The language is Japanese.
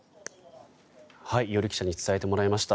伊従記者に伝えてもらいました。